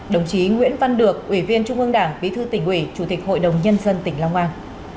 đồng chí nguyễn văn được ủy viên trung ương đảng bí thư tỉnh ủy chủ tịch hội đồng nhân dân tỉnh long an